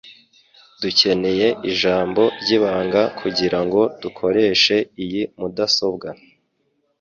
Dukeneye ijambo ryibanga kugirango dukoreshe iyi mudasobwa.